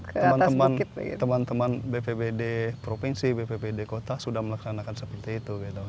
teman teman bpbd provinsi bppd kota sudah melaksanakan seperti itu